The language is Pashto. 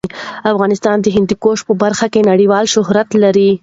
افغانستان د هندوکش په برخه کې نړیوال شهرت لري.